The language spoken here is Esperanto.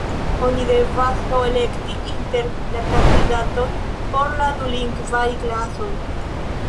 Oni devas, do, elekti inter la kandidatoj por la dulingvaj klasoj.